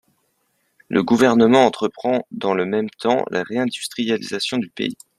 Le Gouvernement entreprend, dans le même temps, la réindustrialisation du pays.